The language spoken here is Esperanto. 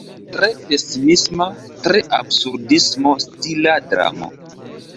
Tre pesimisma, tre absurdismo-stila dramo.